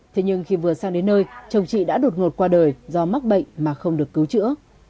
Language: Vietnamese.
thế nhưng khi vừa sang đến nơi chồng chị đã đột ngột qua đời do mắc bệnh mà không được cứu chữa